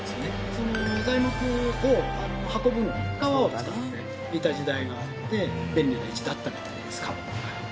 その材木を運ぶのに川を使っていた時代があって便利な位置だったみたいです川べりが。